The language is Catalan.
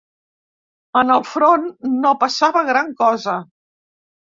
En el front no passava gran cosa